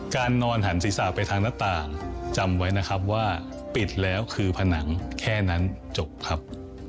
นอนหันศีรษะไปทางหน้าต่างจำไว้นะครับว่าปิดแล้วคือผนังแค่นั้นจบครับ